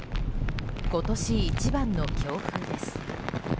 今年一番の強風です。